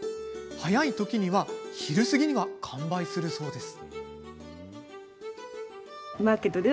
早い時では昼過ぎには完売するそうです。